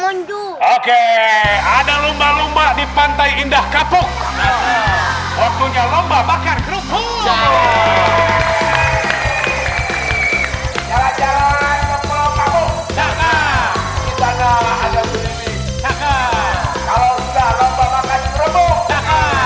oke ada lomba lomba di pantai indah kapuk waktunya lomba bakar kerupuk